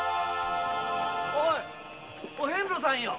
おいお遍路さんよ。